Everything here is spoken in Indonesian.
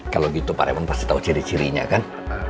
kalau gitu pak reman pasti tahu ciri cirinya kan